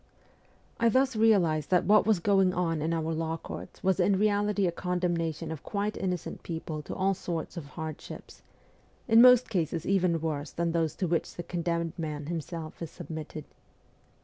I thus realized that what was going on in our law courts was in reality a con demnation of quite innocent people to all sorts of hard ships, in most cases even worse than those to which the condemned man himself is submitted.